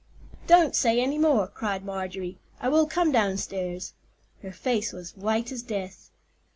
"Don't say any more!" cried Marjorie. "I will come downstairs." Her face was white as death.